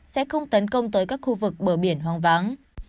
sẽ không tấn công tới các khu vực bờ biển hoang vắng